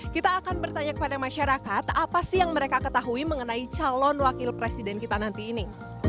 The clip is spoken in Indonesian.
kita akan bertanya kepada masyarakat apa sih yang mereka ketahui mengenai calon wakil presiden kita nanti ini